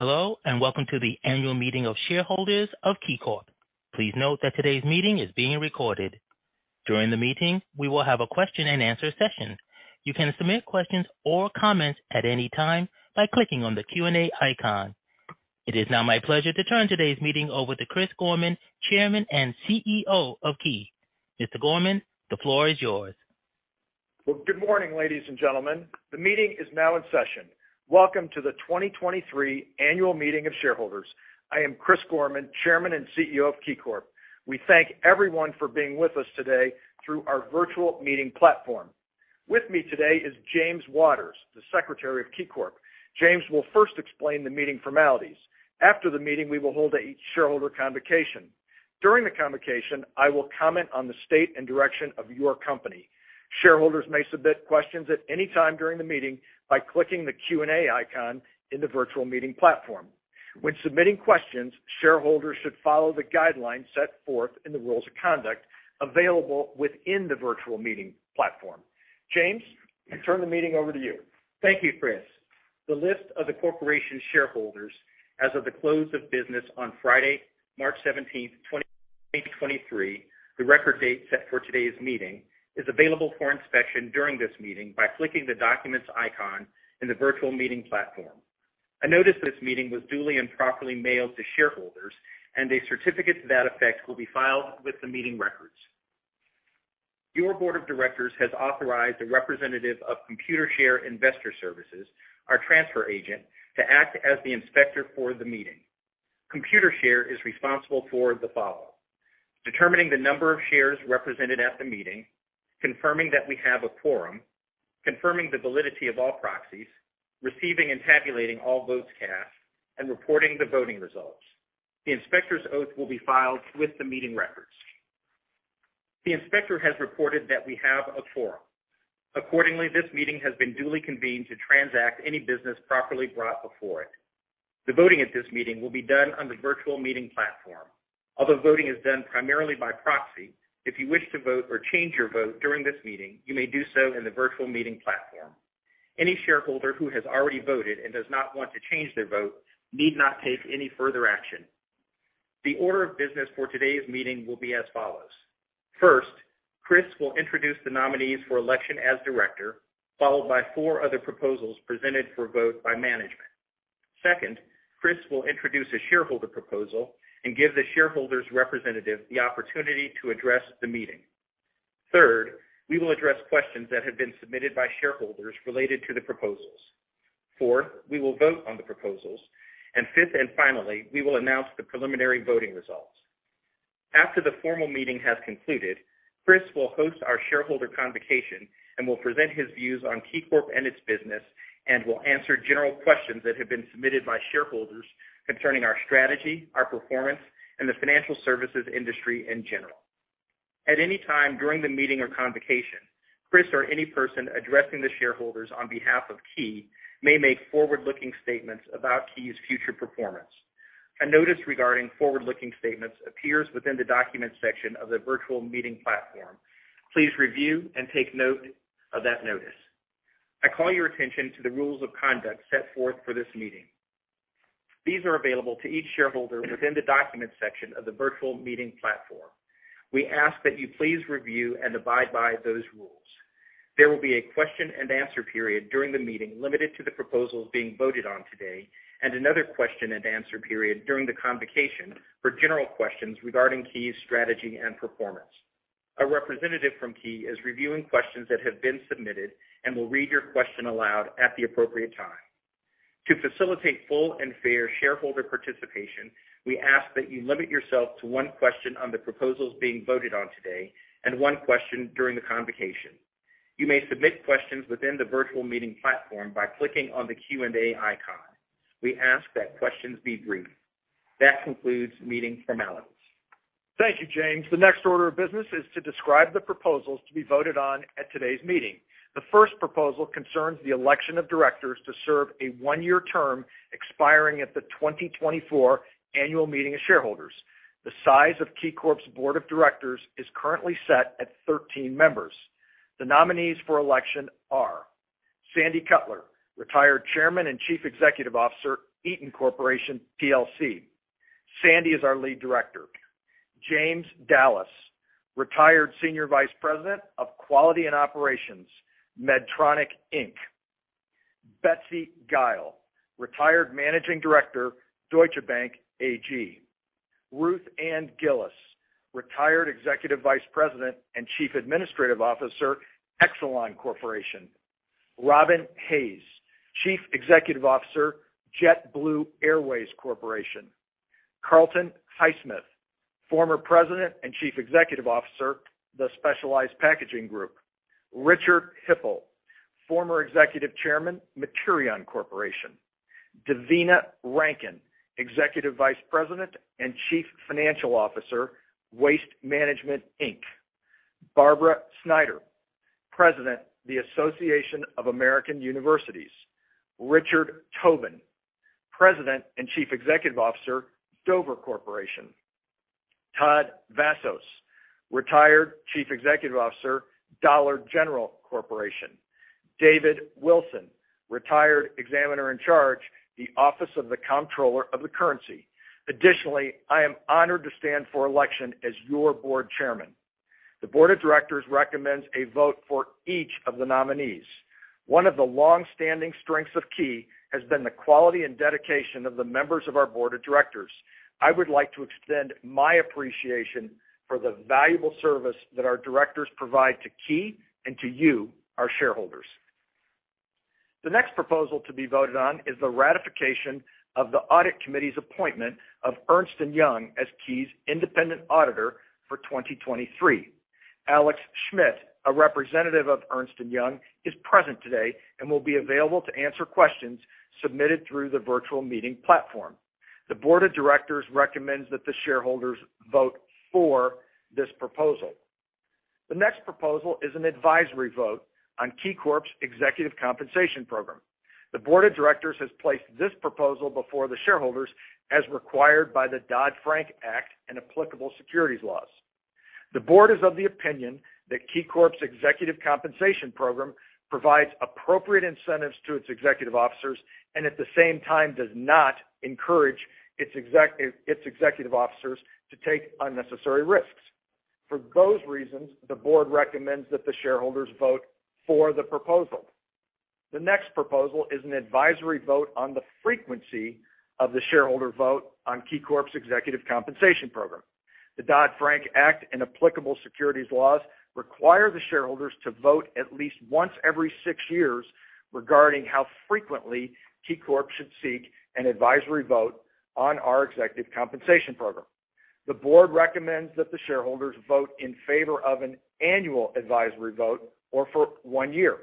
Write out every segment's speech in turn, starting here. Hello, welcome to the Annual Meeting of Shareholders of KeyCorp. Please note that today's meeting is being recorded. During the meeting, we will have a question and answer session. You can submit questions or comments at any time by clicking on the Q&A icon. It is now my pleasure to turn today's meeting over to Chris Gorman, Chairman and CEO of Key. Mr. Gorman, the floor is yours. Well, good morning, ladies and gentlemen. The meeting is now in session. Welcome to the 2023 Annual Meeting of Shareholders. I am Chris Gorman, Chairman and Chief Executive Officer of KeyCorp. We thank everyone for being with us today through our virtual meeting platform. With me today is James Waters, the Secretary of KeyCorp. James will first explain the meeting formalities. After the meeting, we will hold a shareholder convocation. During the convocation, I will comment on the state and direction of your company. Shareholders may submit questions at any time during the meeting by clicking the Q&A icon in the virtual meeting platform. When submitting questions, shareholders should follow the guidelines set forth in the rules of conduct available within the virtual meeting platform. James, I turn the meeting over to you. Thank you, Chris. The list of the corporation's shareholders as of the close of business on Friday, March 17th, 2023, the record date set for today's meeting, is available for inspection during this meeting by clicking the documents icon in the virtual meeting platform. A notice of this meeting was duly and properly mailed to shareholders, and a certificate to that effect will be filed with the meeting records. Your board of directors has authorized a representative of Computershare Investor Services, our transfer agent, to act as the inspector for the meeting. Computershare is responsible for the following: determining the number of shares represented at the meeting, confirming that we have a quorum, confirming the validity of all proxies, receiving and tabulating all votes cast, and reporting the voting results. The inspector's oath will be filed with the meeting records. The inspector has reported that we have a quorum. Accordingly, this meeting has been duly convened to transact any business properly brought before it. The voting at this meeting will be done on the virtual meeting platform. Although voting is done primarily by proxy, if you wish to vote or change your vote during this meeting, you may do so in the virtual meeting platform. Any shareholder who has already voted and does not want to change their vote need not take any further action. The order of business for today's meeting will be as follows. First, Chris will introduce the nominees for election as director, followed by four other proposals presented for vote by management. Second, Chris will introduce a shareholder proposal and give the shareholder's representative the opportunity to address the meeting. Third, we will address questions that have been submitted by shareholders related to the proposals. Four, we will vote on the proposals. Fifth, and finally, we will announce the preliminary voting results. After the formal meeting has concluded, Chris will host our shareholder convocation and will present his views on KeyCorp and its business and will answer general questions that have been submitted by shareholders concerning our strategy, our performance, and the financial services industry in general. At any time during the meeting or convocation, Chris or any person addressing the shareholders on behalf of Key may make forward-looking statements about Key's future performance. A notice regarding forward-looking statements appears within the documents section of the virtual meeting platform. Please review and take note of that notice. I call your attention to the rules of conduct set forth for this meeting. These are available to each shareholder within the documents section of the virtual meeting platform. We ask that you please review and abide by those rules. There will be a question and answer period during the meeting limited to the proposals being voted on today, and another question and answer period during the convocation for general questions regarding Key's strategy and performance. A representative from Key is reviewing questions that have been submitted and will read your question aloud at the appropriate time. To facilitate full and fair shareholder participation, we ask that you limit yourself to one question on the proposals being voted on today and one question during the convocation. You may submit questions within the virtual meeting platform by clicking on the Q&A icon. We ask that questions be brief. That concludes meeting formalities. Thank you, James. The next order of business is to describe the proposals to be voted on at today's meeting. The first proposal concerns the election of directors to serve a one-year term expiring at the 2024 annual meeting of shareholders. The size of KeyCorp's board of directors is currently set at 13 members. The nominees for election are Sandy Cutler, retired Chairman and Chief Executive Officer, Eaton Corporation plc. Sandy is our lead director. James Dallas, retired Senior Vice President of Quality and Operations, Medtronic Inc. Betsy Gile, retired Managing Director, Deutsche Bank AG. Ruth Ann Gillis, retired Executive Vice President and Chief Administrative Officer, Exelon Corporation. Robin Hayes, Chief Executive Officer, JetBlue Airways Corporation. Carlton Highsmith, former President and Chief Executive Officer, The Specialized Packaging Group. Richard Hipple, former Executive Chairman, Materion Corporation. Devina Rankin, Executive Vice President and Chief Financial Officer, Waste Management, Inc. Barbara Snyder, President, the Association of American Universities. Richard Tobin, President and Chief Executive Officer, Dover Corporation. Todd Vasos, retired Chief Executive Officer, Dollar General Corporation. David Wilson, retired Examiner in Charge, the Office of the Comptroller of the Currency. I am honored to stand for election as your board chairman. The board of directors recommends a vote for each of the nominees. One of the long-standing strengths of Key has been the quality and dedication of the members of our board of directors. I would like to extend my appreciation for the valuable service that our directors provide to Key and to you, our shareholders. The next proposal to be voted on is the ratification of the audit committee's appointment of Ernst & Young as Key's independent auditor for 2023. Alex Schmidt, a representative of Ernst & Young, is present today and will be available to answer questions submitted through the virtual meeting platform. The board of directors recommends that the shareholders vote for this proposal. The next proposal is an advisory vote on KeyCorp's executive compensation program. The board of directors has placed this proposal before the shareholders as required by the Dodd-Frank Act and applicable securities laws. The board is of the opinion that KeyCorp's executive compensation program provides appropriate incentives to its executive officers and at the same time does not encourage its executive officers to take unnecessary risks. For those reasons, the board recommends that the shareholders vote for the proposal. The next proposal is an advisory vote on the frequency of the shareholder vote on KeyCorp's executive compensation program. The Dodd-Frank Act and applicable securities laws require the shareholders to vote at least once every six years regarding how frequently KeyCorp should seek an advisory vote on our executive compensation program. The board recommends that the shareholders vote in favor of an annual advisory vote or for one year.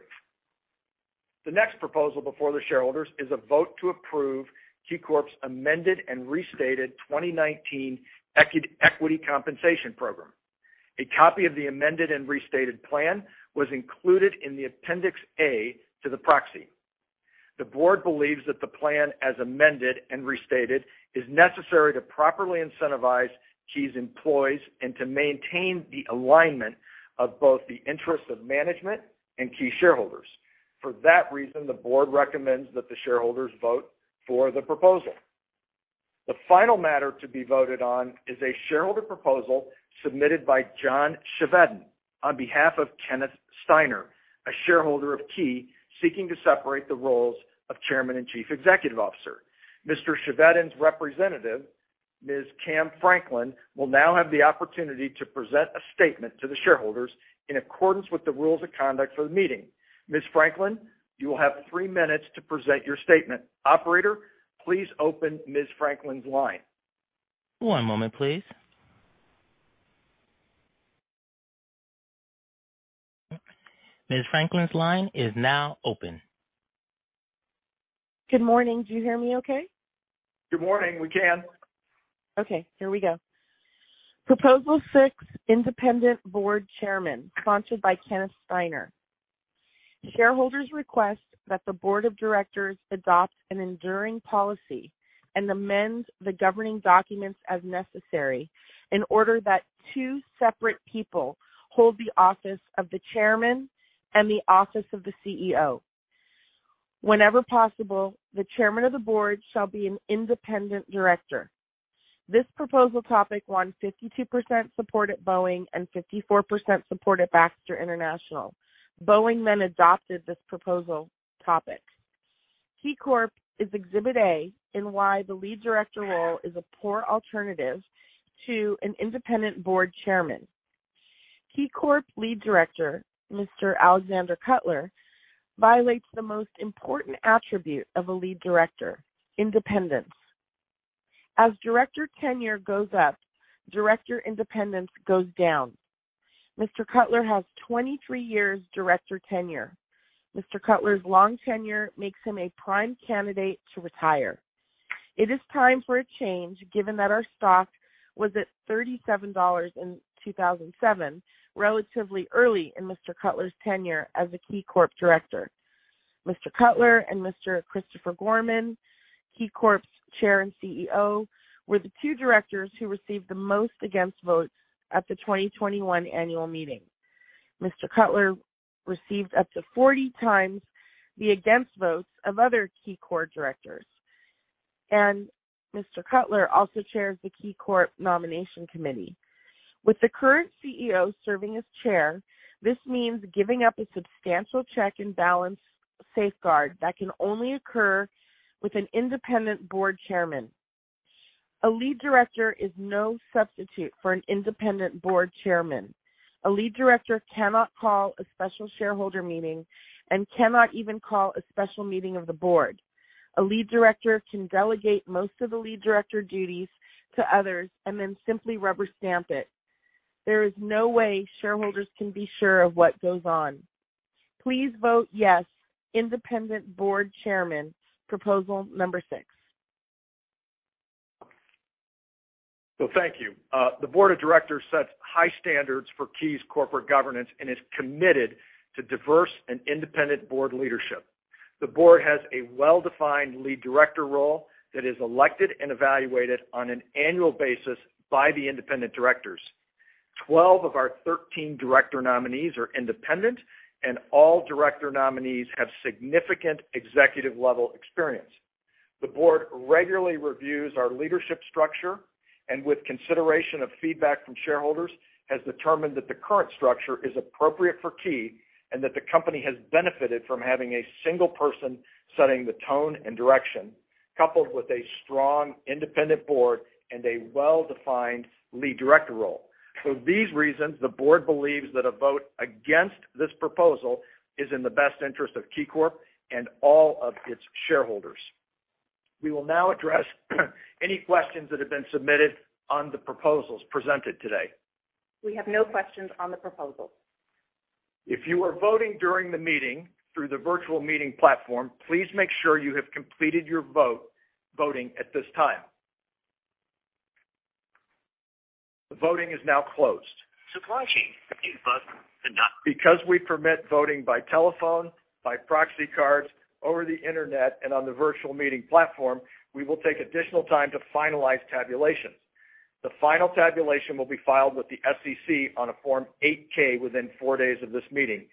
The next proposal before the shareholders is a vote to approve KeyCorp's amended and restated 2019 equity compensation program. A copy of the amended and restated plan was included in the appendix A to the proxy. The board believes that the plan, as amended and restated, is necessary to properly incentivize Key's employees and to maintain the alignment of both the interests of management and Key shareholders. For that reason, the board recommends that the shareholders vote for the proposal. The final matter to be voted on is a shareholder proposal submitted by John Chevedden on behalf of Kenneth Steiner, a shareholder of Key, seeking to separate the roles of chairman and chief executive officer. Mr. Chevedden's representative, Ms. Kam Franklin, will now have the opportunity to present a statement to the shareholders in accordance with the rules of conduct for the meeting. Ms. Franklin, you will have three minutes to present your statement. Operator, please open Ms. Franklin's line. One moment, please. Ms. Franklin's line is now open. Good morning. Do you hear me okay? Good morning. We can. Okay, here we go. Proposal six, independent board chairman, sponsored by Kenneth Steiner. Shareholders request that the board of directors adopt an enduring policy and amend the governing documents as necessary in order that two separate people hold the office of the chairman and the office of the CEO. Whenever possible, the chairman of the board shall be an independent director. This proposal topic won 52% support at Boeing and 54% support at Baxter International. Boeing adopted this proposal topic. KeyCorp is exhibit A in why the lead director role is a poor alternative to an independent board chairman. KeyCorp Lead Director, Mr. Alexander Cutler, violates the most important attribute of a lead director, independence. As director tenure goes up, director independence goes down. Mr. Cutler has 23 years director tenure. Mr. Cutler's long tenure makes him a prime candidate to retire. It is time for a change, given that our stock was at $37 in 2007, relatively early in Mr. Cutler's tenure as a KeyCorp Director. Mr. Cutler and Mr. Christopher Gorman, KeyCorp's Chair and CEO, were the two Directors who received the most against votes at the 2021 annual meeting. Mr. Cutler received up to 40 times the against votes of other KeyCorp Directors. Mr. Cutler also chairs the KeyCorp Nomination Committee. With the current CEO serving as Chair, this means giving up a substantial check and balance safeguard that can only occur with an independent Board Chairman. A Lead Director is no substitute for an independent Board Chairman. A Lead Director cannot call a special Shareholder Meeting and cannot even call a special meeting of the Board. A lead director can delegate most of the lead director duties to others and then simply rubber stamp it. There is no way shareholders can be sure of what goes on. Please vote yes, independent board chairman, proposal number six. Thank you. The board of directors sets high standards for Key's corporate governance and is committed to diverse and independent board leadership. The board has a well-defined lead director role that is elected and evaluated on an annual basis by the independent directors. 12 of our 13 director nominees are independent, and all director nominees have significant executive-level experience. The board regularly reviews our leadership structure and with consideration of feedback from shareholders, has determined that the current structure is appropriate for Key and that the company has benefited from having a single person setting the tone and direction, coupled with a strong independent board and a well-defined lead director role. For these reasons, the board believes that a vote against this proposal is in the best interest of KeyCorp and all of its shareholders. We will now address any questions that have been submitted on the proposals presented today. We have no questions on the proposals. If you are voting during the meeting through the virtual meeting platform, please make sure you have completed your vote, voting at this time. The voting is now closed. We permit voting by telephone, by proxy cards, over the Internet, and on the virtual meeting platform, we will take additional time to finalize tabulations. The final tabulation will be filed with the SEC on a Form 8-K within four days of this meeting.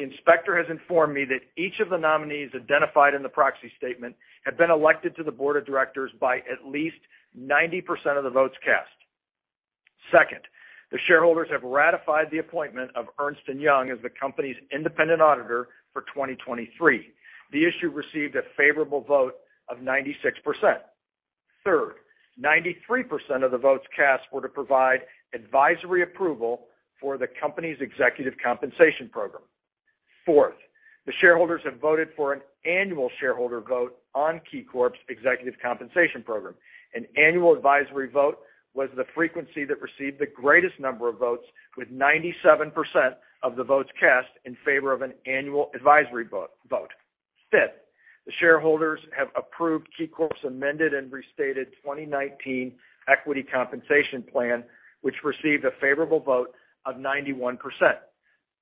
The inspector has informed me that each of the nominees identified in the proxy statement have been elected to the board of directors by at least 90% of the votes cast. Second, the shareholders have ratified the appointment of Ernst & Young as the company's independent auditor for 2023. The issue received a favorable vote of 96%. Third, 93% of the votes cast were to provide advisory approval for the company's executive compensation program. Fourth, the shareholders have voted for an annual shareholder vote on KeyCorp's executive compensation program. An annual advisory vote was the frequency that received the greatest number of votes with 97% of the votes cast in favor of an annual advisory vote. Fifth, the shareholders have approved KeyCorp's amended and restated 2019 equity compensation plan, which received a favorable vote of 91%.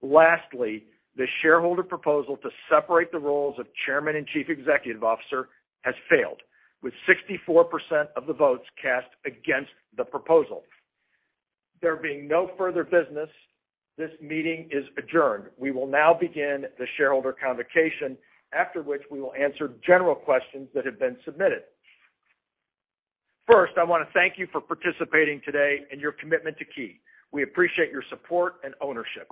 Lastly, the shareholder proposal to separate the roles of Chairman and Chief Executive Officer has failed, with 64% of the votes cast against the proposal. There being no further business, this meeting is adjourned. We will now begin the shareholder convocation, after which we will answer general questions that have been submitted. First, I want to thank you for participating today and your commitment to Key. We appreciate your support and ownership.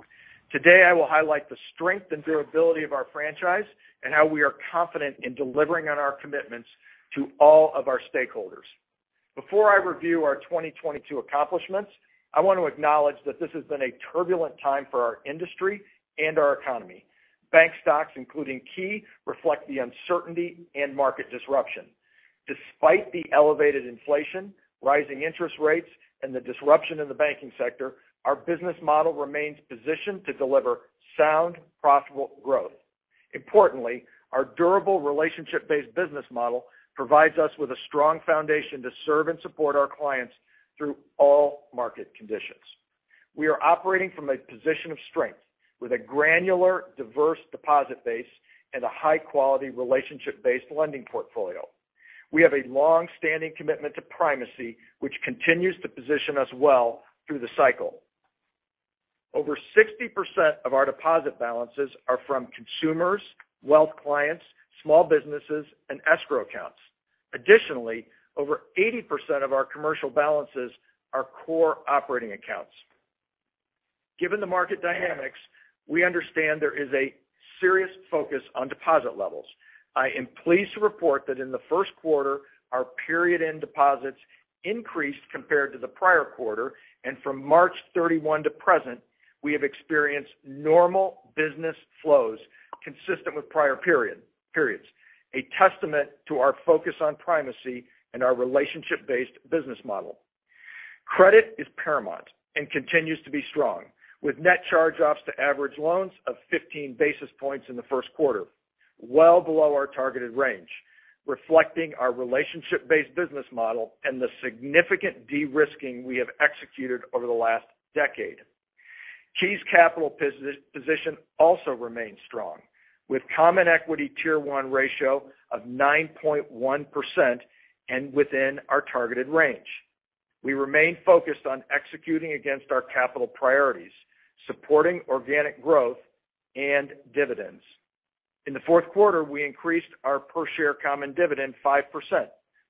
Today, I will highlight the strength and durability of our franchise and how we are confident in delivering on our commitments to all of our stakeholders. Before I review our 2022 accomplishments, I want to acknowledge that this has been a turbulent time for our industry and our economy. Bank stocks, including Key, reflect the uncertainty and market disruption. Despite the elevated inflation, rising interest rates, and the disruption in the banking sector, our business model remains positioned to deliver sound, profitable growth. Importantly, our durable relationship-based business model provides us with a strong foundation to serve and support our clients through all market conditions. We are operating from a position of strength with a granular, diverse deposit base and a high-quality relationship-based lending portfolio. We have a long-standing commitment to primacy, which continues to position us well through the cycle. Over 60% of our deposit balances are from consumers, wealth clients, small businesses, and escrow accounts. Additionally, over 80% of our commercial balances are core operating accounts. Given the market dynamics, we understand there is a serious focus on deposit levels. I am pleased to report that in the first quarter, our period-end deposits increased compared to the prior quarter, and from March 31 to present, we have experienced normal business flows consistent with prior periods, a testament to our focus on primacy and our relationship-based business model. Credit is paramount and continues to be strong, with net charge-offs to average loans of 15 basis points in the first quarter, well below our targeted range, reflecting our relationship-based business model and the significant de-risking we have executed over the last decade. Key's capital position also remains strong, with Common Equity Tier 1 ratio of 9.1% and within our targeted range. We remain focused on executing against our capital priorities, supporting organic growth and dividends. In the fourth quarter, we increased our per-share common dividend 5%.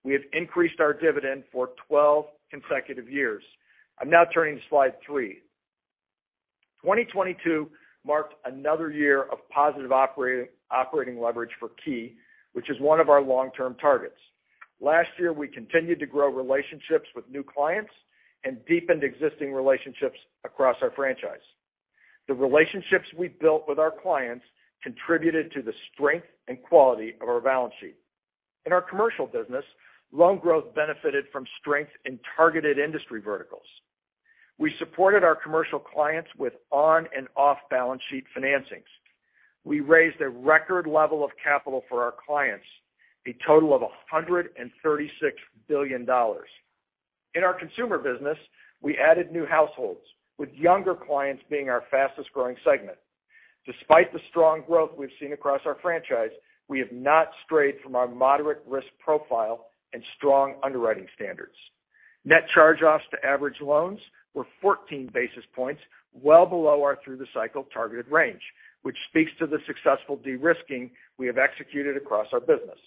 We have increased our dividend for 12 consecutive years. I'm now turning to slide three. 2022 marked another year of positive operating leverage for Key, which is one of our long-term targets. Last year, we continued to grow relationships with new clients and deepened existing relationships across our franchise. The relationships we built with our clients contributed to the strength and quality of our balance sheet. In our commercial business, loan growth benefited from strength in targeted industry verticals. We supported our commercial clients with on-and-off-balance-sheet financings. We raised a record level of capital for our clients, a total of $136 billion. In our consumer business, we added new households, with younger clients being our fastest-growing segment. Despite the strong growth we've seen across our franchise, we have not strayed from our moderate risk profile and strong underwriting standards. Net charge-offs to average loans were 14 basis points, well below our through-the-cycle targeted range, which speaks to the successful de-risking we have executed across our business.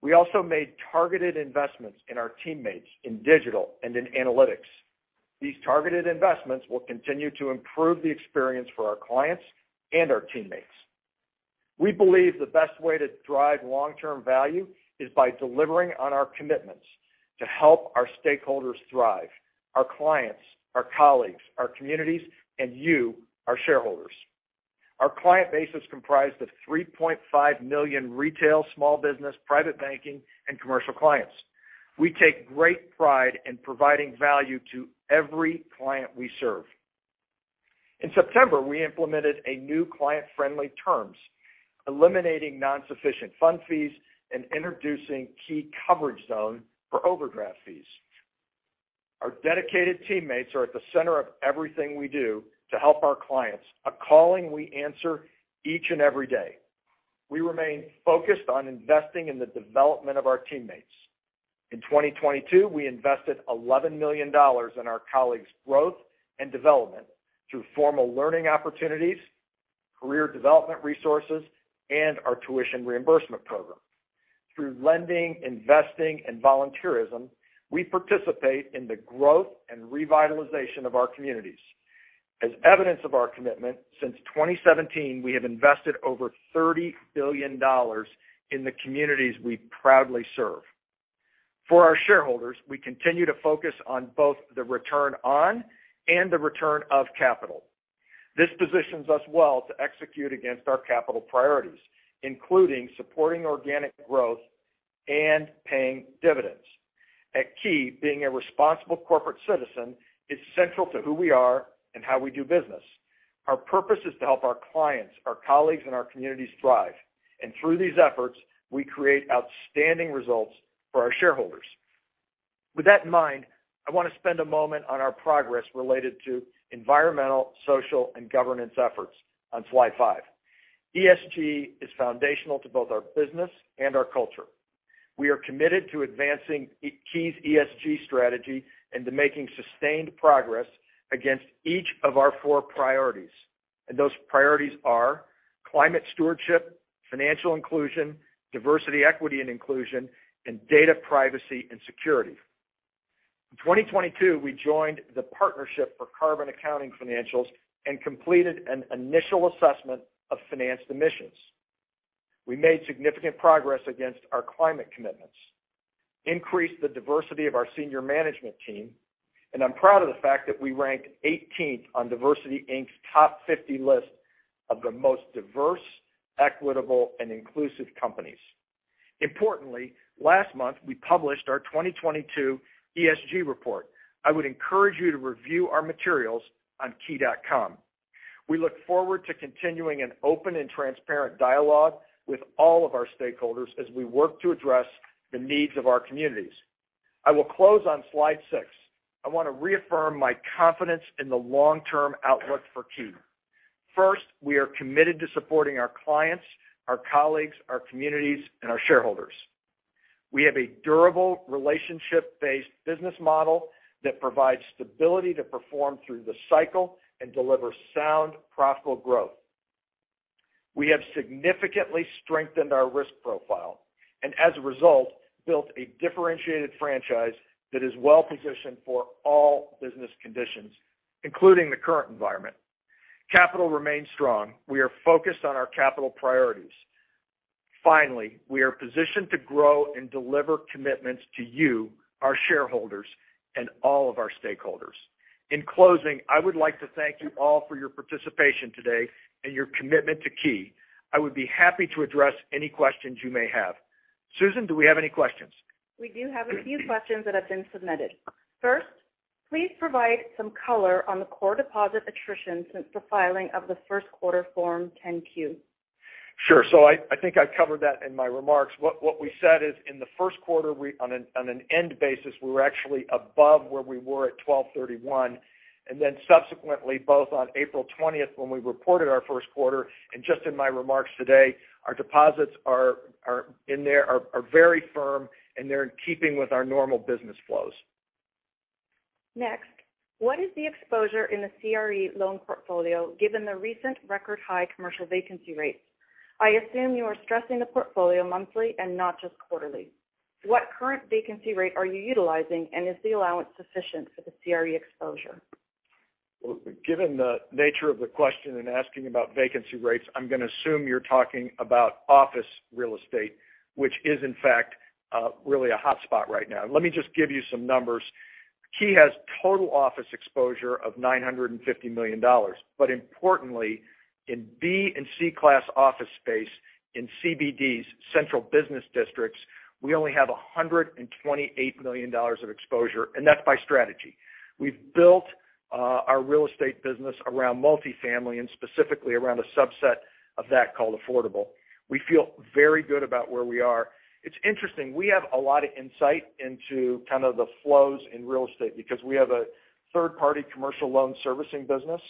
We also made targeted investments in our teammates in digital and in analytics. These targeted investments will continue to improve the experience for our clients and our teammates. We believe the best way to drive long-term value is by delivering on our commitments to help our stakeholders thrive, our clients, our colleagues, our communities, and you, our shareholders. Our client base is comprised of 3.5 million retail, small business, private banking, and commercial clients. We take great pride in providing value to every client we serve. In September, we implemented a new client-friendly terms, eliminating non-sufficient fund fees and introducing Key Coverage Zone for overdraft fees. Our dedicated teammates are at the center of everything we do to help our clients, a calling we answer each and every day. We remain focused on investing in the development of our teammates. In 2022, we invested $11 million in our colleagues' growth and development through formal learning opportunities, career development resources, and our tuition reimbursement program. Through lending, investing, and volunteerism, we participate in the growth and revitalization of our communities. As evidence of our commitment, since 2017, we have invested over $30 billion in the communities we proudly serve. For our shareholders, we continue to focus on both the return on and the return of capital. This positions us well to execute against our capital priorities, including supporting organic growth and paying dividends. At Key, being a responsible corporate citizen is central to who we are and how we do business. Our purpose is to help our clients, our colleagues, and our communities thrive. Through these efforts, we create outstanding results for our shareholders. With that in mind, I want to spend a moment on our progress related to environmental, social, and governance efforts on slide five. ESG is foundational to both our business and our culture. We are committed to advancing Key's ESG strategy and to making sustained progress against each of our four priorities. Those priorities are climate stewardship, financial inclusion, diversity, equity, and inclusion, and data privacy and security. In 2022, we joined the Partnership for Carbon Accounting Financials and completed an initial assessment of financed emissions. We made significant progress against our climate commitments, increased the diversity of our senior management team, and I'm proud of the fact that we ranked 18th on DiversityInc's top 50 list of the most diverse, equitable, and inclusive companies. Importantly, last month, we published our 2022 ESG report. I would encourage you to review our materials on key.com. We look forward to continuing an open and transparent dialogue with all of our stakeholders as we work to address the needs of our communities. I will close on slide six. I want to reaffirm my confidence in the long-term outlook for Key. First, we are committed to supporting our clients, our colleagues, our communities, and our shareholders. We have a durable relationship-based business model that provides stability to perform through the cycle and deliver sound, profitable growth. We have significantly strengthened our risk profile, as a result, built a differentiated franchise that is well-positioned for all business conditions, including the current environment. Capital remains strong. We are focused on our capital priorities. Finally, we are positioned to grow and deliver commitments to you, our shareholders, and all of our stakeholders. In closing, I would like to thank you all for your participation today and your commitment to Key. I would be happy to address any questions you may have. Susan, do we have any questions? We do have a few questions that have been submitted. First, please provide some color on the core deposit attrition since the filing of the first quarter Form 10-Q. Sure. I think I covered that in my remarks. What we said is, in the first quarter, on an end basis, we were actually above where we were at 12/31. Subsequently, both on April 20th, when we reported our first quarter, and just in my remarks today, our deposits are in there, are very firm, and they're in keeping with our normal business flows. Next, what is the exposure in the CRE loan portfolio given the recent record high commercial vacancy rates? I assume you are stressing the portfolio monthly and not just quarterly. What current vacancy rate are you utilizing, and is the allowance sufficient for the CRE exposure? Given the nature of the question in asking about vacancy rates, I'm gonna assume you're talking about office real estate, which is, in fact, really a hotspot right now. Let me just give you some numbers. Key has total office exposure of $950 million. Importantly, in B and C class office space in CBDs, central business districts, we only have $128 million of exposure, and that's by strategy. We've built our real estate business around multifamily and specifically around a subset of that called affordable. We feel very good about where we are. It's interesting, we have a lot of insight into kind of the flows in real estate because we have a third-party commercial loan servicing business.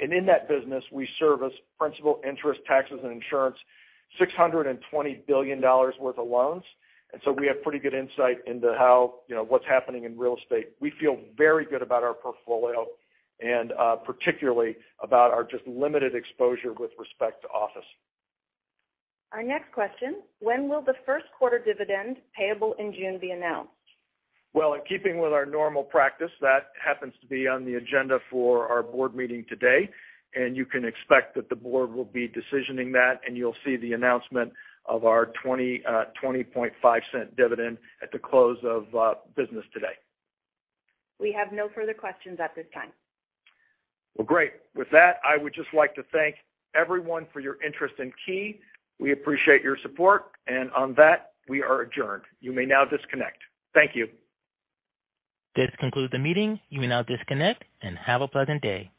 In that business, we service principal interest, taxes and insurance, $620 billion worth of loans. We have pretty good insight into how, you know, what's happening in real estate. We feel very good about our portfolio and particularly about our just limited exposure with respect to office. Our next question, when will the first quarter dividend payable in June be announced? Well, in keeping with our normal practice, that happens to be on the agenda for our board meeting today. You can expect that the board will be decisioning that, and you'll see the announcement of our $0.205 dividend at the close of business today. We have no further questions at this time. Well, great. With that, I would just like to thank everyone for your interest in Key. We appreciate your support, and on that, we are adjourned. You may now disconnect. Thank you. This concludes the meeting. You may now disconnect and have a pleasant day.